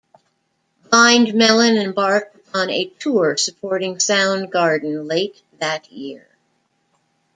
Blind Melon embarked upon a tour supporting Soundgarden late that year.